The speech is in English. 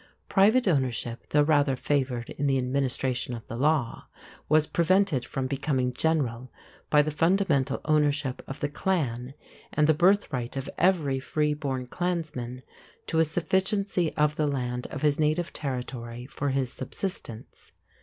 Private ownership, though rather favored in the administration of the law, was prevented from becoming general by the fundamental ownership of the clan and the birthright of every free born clansman to a sufficiency of the land of his native territory for his subsistence.